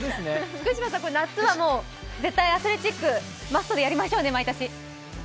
福島さん、夏は絶対アスレチック、マストでやりましょうね。